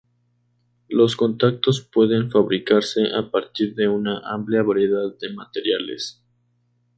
Los contactos pueden fabricarse a partir de una amplia variedad de materiales.